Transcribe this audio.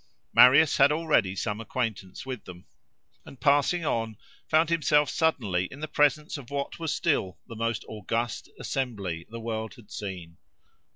Marius had already some acquaintance with them, and passing on found himself suddenly in the presence of what was still the most august assembly the world had seen.